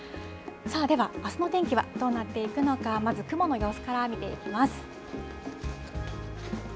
では、あすの天気はどうなっていくのか、まず雲の様子から見ていきます。